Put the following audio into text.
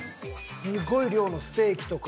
すごい量のステーキとか。